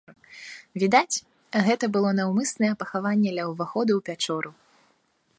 Відаць, гэта было наўмыснае пахаванне ля ўваходу ў пячору.